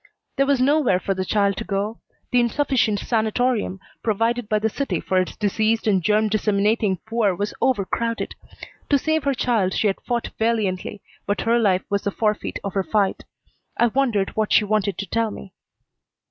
There was nowhere for the child to go. The insufficient sanatorium provided by the city for its diseased and germ disseminating poor was over crowded. To save her child she had fought valiantly, but her life was the forfeit of her fight. I wondered what she wanted to tell me.